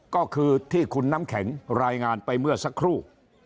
ก็คือที่คุณน้ำแข็งรายงานไปเมื่อสักครู่